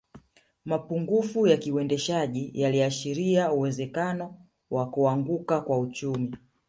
Mapungufu ya kiuendeshaji yaliashiria uwezekano wa kuanguka kwa uchumi